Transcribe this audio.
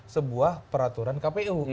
sebuah peraturan kpu